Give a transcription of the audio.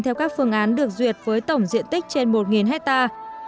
theo các phương án được duyệt với tổng diện tích trên một hectare